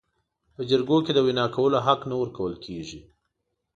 په جرګو کې د وینا کولو حق نه ورکول کیږي.